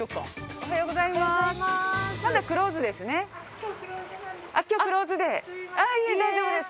いえ大丈夫です。